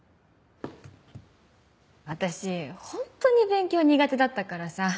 私ホントに勉強苦手だったからさ。